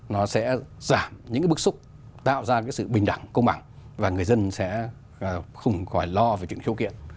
nó sẽ giảm những cái bức xúc tạo ra cái sự bình đẳng công bằng và người dân sẽ không phải lo về những cái khiếu kiện